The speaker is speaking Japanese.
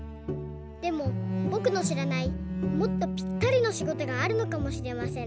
でもぼくのしらないもっとぴったりのしごとがあるのかもしれません。